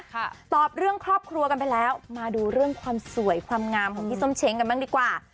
ตอบเรื่องครอบครัวกันไปแล้วมาดูเรื่องความสวยความงามของพี่ส้มเช้งกันบ้างดีกว่า